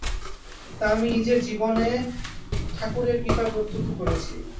তা আমি নিজের জীবনে ঠাকুরের কৃপায় প্রত্যক্ষ করেছি।